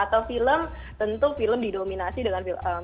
atau film tentu film didominasi dengan film